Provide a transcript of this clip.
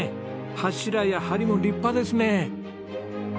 柱や梁も立派ですね。